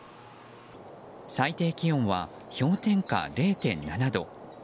最低気温は氷点下０．７度。